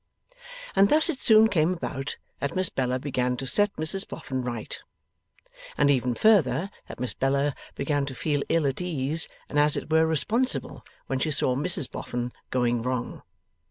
And thus it soon came about that Miss Bella began to set Mrs Boffin right; and even further, that Miss Bella began to feel ill at ease, and as it were responsible, when she saw Mrs Boffin going wrong.